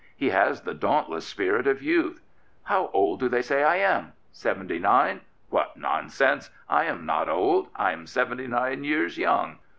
He has the dauntless spirit of youth. " How old do they say I am? Seventy nine? What nonsense! I am not old. I am seventy nine years young.